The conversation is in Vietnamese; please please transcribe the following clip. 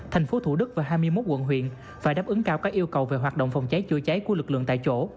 thành phố thủ đức và hai mươi một quận huyện phải đáp ứng cao các yêu cầu về hoạt động phòng cháy chữa cháy của lực lượng tại chỗ